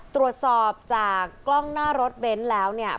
ตรวจสอบจากกล้องหน้ารถเบนท์แล้วเนี่ย